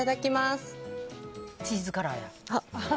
チーズカラーや。